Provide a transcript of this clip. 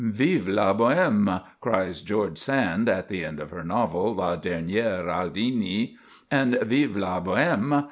"Vive la Bohème!" cries George Sand, at the end of her novel, "La Dernière Aldini"; and "Vive la Bohème!"